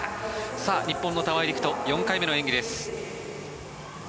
さあ、日本の玉井陸斗４回目の演技です。